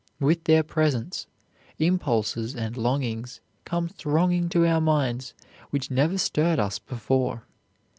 With their presence, impulses and longings come thronging to our minds which never stirred us before.